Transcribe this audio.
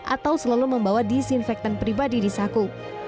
atau selalu membawa disinfektan pribadi di saku